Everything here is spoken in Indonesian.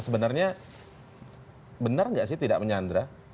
sebenarnya benar nggak sih tidak menyandra